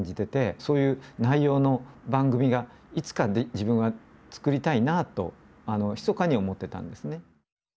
そういう内容の番組がいつか自分が作りたいなとひそかに思ってたんですね。